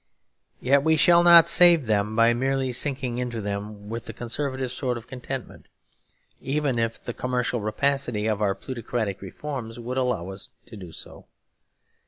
Yet we shall not save them by merely sinking into them with the conservative sort of contentment, even if the commercial rapacity of our plutocratic reforms would allow us to do so.